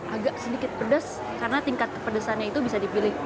agak sedikit pedas karena tingkat kepedesannya itu bisa dipilih